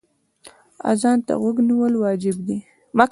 اذان ته غوږ نیول واجب دی.